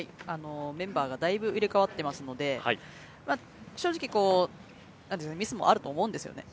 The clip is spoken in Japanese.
メンバーがだいぶ入れ替わっていますので正直、ミスもあると思うんですよね。